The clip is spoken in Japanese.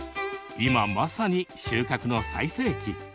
今まさに、収穫の最盛期。